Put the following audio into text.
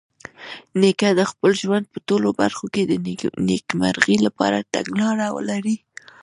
نیکه د خپل ژوند په ټولو برخو کې د نیکمرغۍ لپاره تګلاره لري.